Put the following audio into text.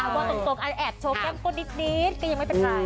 เอาตรงอาจแชนแก้มพวงนิดก็ยังไม่เป็นไร